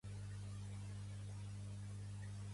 Va néixer a Líbia, fill de família sèrbia i eslovena.